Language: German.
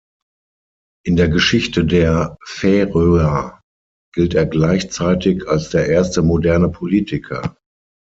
In der Geschichte der Färöer gilt er gleichzeitig als der erste moderne Politiker.